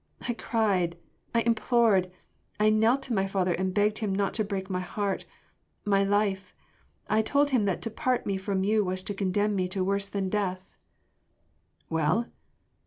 I cried I implored I knelt to my father and begged him not to break my heart, my life.... I told him that to part me from you was to condemn me to worse than death...." "Well?